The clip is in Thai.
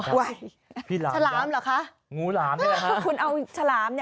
ชาลามเหรอคะงูหลามนี่แหละค่ะ